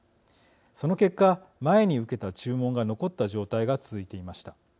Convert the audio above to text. その結果前に受けた注文が残った状態が続いていました。